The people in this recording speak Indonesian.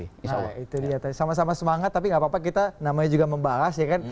nah itu dia tadi sama sama semangat tapi nggak apa apa kita namanya juga membahas ya kan